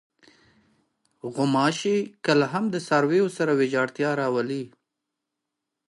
غوماشې کله هم د څارویو سره ویجاړتیا راولي.